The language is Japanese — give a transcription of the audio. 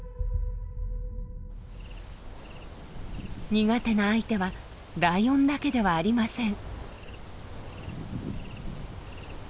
苦手な相手はライオンだけではありません。